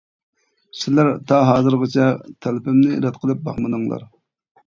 سىلەر تا ھازىرغىچە تەلىپىمنى رەت قىلىپ باقمىدىڭلار.